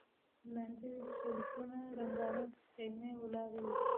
لاندې سلګونه رنګارنګ خيمې ولاړې وې.